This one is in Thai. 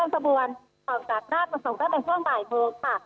หลังจากที่เครื่องสบวนออกจากราชประสงค์ก็ไปช่วงหลายโมงค่ะ